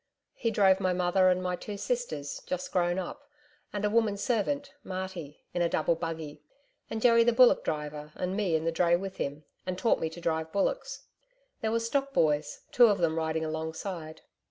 He drove my mother and my two sisters just grown up, and a woman servant Marty in a double buggy, and Jerry the bullock driver and me in the dray with him and taught me to drive bullocks. There were stock boys, two of them riding along side.